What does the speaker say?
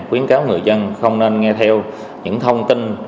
khuyến cáo người dân không nên nghe theo những thông tin